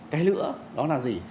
cái nữa đó là gì